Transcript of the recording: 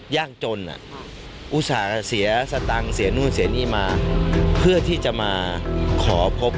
ยากจนอุตส่าห์เสียสตังค์เสียนู่นเสียนี่มาเพื่อที่จะมาขอพบ